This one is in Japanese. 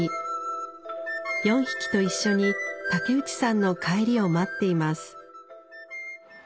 ４匹と一緒に竹内さんの帰りを待っています。